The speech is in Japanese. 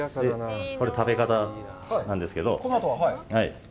これ、食べ方なんですけど。